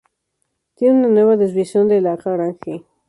Tiene una nueva desviación de Lagrange.